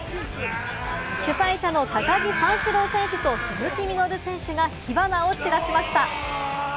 主催者の高木三四郎選手と鈴木みのる選手が火花を散らしました。